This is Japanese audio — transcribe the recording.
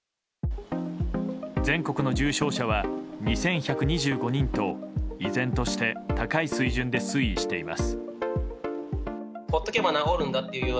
全国の重症者は２１２５人と依然として高い水準で推移しています。